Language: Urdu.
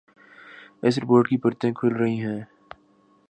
اس رپورٹ کی پرتیں کھل رہی ہیں۔